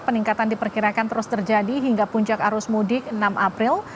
peningkatan diperkirakan terus terjadi hingga puncak arus mudik enam april